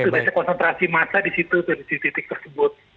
itu dari konsentrasi masa di situ di titik tersebut